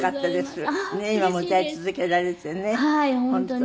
ねえ今も歌い続けられてね本当。